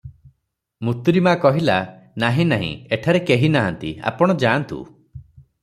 ମୁତୁରୀମା କହିଲା, " ନାହିଁ ନାହିଁ, ଏଠାରେ କେହି ନାହାନ୍ତି, ଆପଣ ଯାଆନ୍ତୁ ।